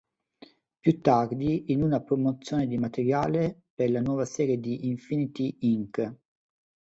Più tardi, in una promozione di materiale per la nuova serie di "Infinity, Inc.